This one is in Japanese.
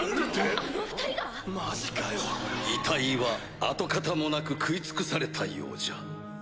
・・あの２人が⁉・遺体は跡形もなく食い尽くされたようじゃ。